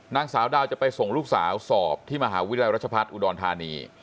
นางสาวดาวจะไปส่งลูกสาวสอบที่มหาวิทยาลัยรัชพัฒน์อุดรธานี